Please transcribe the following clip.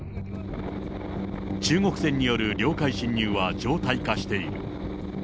中国船による領海侵入は常態化している。